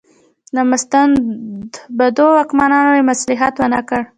له مستبدو واکمنو سره یې مصلحت ونکړ.